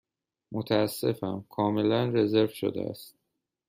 متأسفم، کاملا رزرو شده است.